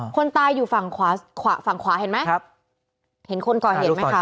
คนตายอยู่ฝั่งขวาขวาฝั่งขวาเห็นไหมครับเห็นคนก่อเหตุไหมคะ